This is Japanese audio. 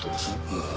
ああ。